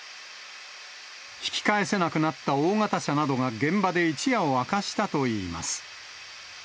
引き返せなくなった大型車などが現場で一夜を明かしたといいます。